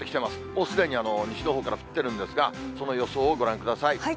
もうすでに西のほうから降ってるんですが、その予想をご覧ください。